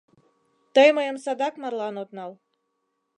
— Тый мыйым садак марлан от нал.